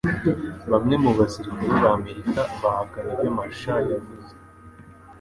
Bamwe mu basirikare b'Amerika bahakana ibyo Marshall yavuze